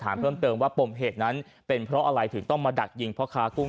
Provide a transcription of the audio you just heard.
เพิ่มเติมว่าปมเหตุนั้นเป็นเพราะอะไรถึงต้องมาดักยิงพ่อค้ากุ้ง